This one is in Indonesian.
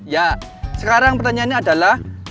ya sekarang pertanyaannya adalah